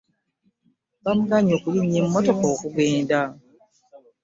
Batugaanyi okulinnya emmotoka okugenda.